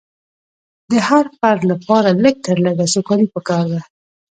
د هر فرد لپاره لږ تر لږه سوکالي پکار ده.